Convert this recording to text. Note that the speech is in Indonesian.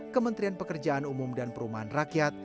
kementerian pekerjaan umum dan perumahan rakyat